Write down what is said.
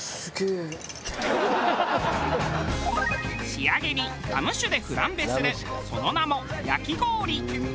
仕上げにラム酒でフランベするその名も焼き氷。